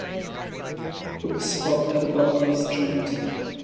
book spot at a balinese joint